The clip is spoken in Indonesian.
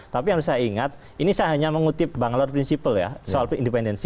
tapi yang saya ingat ini saya hanya mengutip bang laur prinsipal ya soal independensi